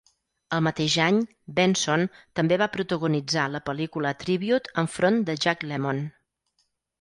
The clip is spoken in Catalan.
El mateix any, Benson també va protagonitzar la pel·lícula "Tribute" enfront de Jack Lemmon.